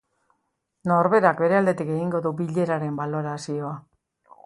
Norberak bere aldetik egingo du bileraren balorazioa.